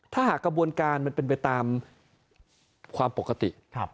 ถ้าหากกระบวนการมันเป็นไปตามความปกติ